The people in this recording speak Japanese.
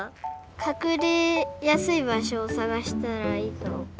かくれやすいばしょをさがしたらいいと。